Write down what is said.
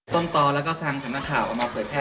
ต้นตอนแล้วก็สั่งสันตะข่าวเอามาเปิดแพทย์